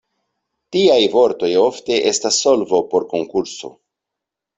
Tiaj vortoj ofte estas solvo por konkurso.